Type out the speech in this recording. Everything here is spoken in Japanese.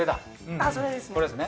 あっそれですね。